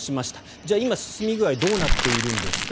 じゃあ、今、進み具合どうなっているんですか。